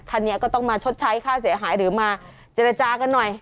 คันนี้ก็ต้องมาชดใช้ค่าเสียหายหรือมาเจรจากันหน่อย